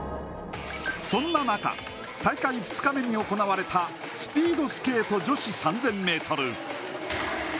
そんな中、大会２日目に行われたスピードスケート女子３０００ｍ。